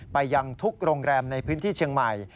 ไปยังทุกโรงแรมในพื้นที่เชียงใหม่